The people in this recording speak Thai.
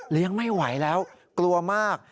เลี้ยงไม่ไหวแล้วกลัวมาก